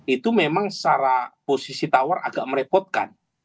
itu memang secara posisi tawar agak merepotkan